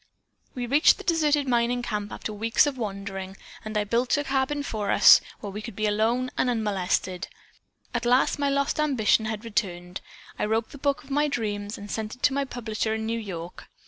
"'We reached this deserted mining camp after weeks of wandering and I built for us a cabin where we could be alone and unmolested. At last my lost ambition had returned. I wrote the book of my dreams and sent it to my publisher in New York.